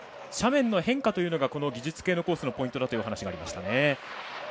斜面の変化というのが技術系のコースのポイントだというお話がありました。